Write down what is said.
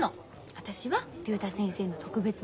私は竜太先生の特別な人。